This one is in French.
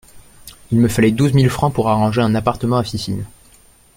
Il me fallait douze mille francs pour arranger un appartement à Fifine.